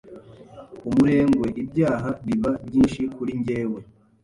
umurengwe ibyaha biba byinshi kuri njyewe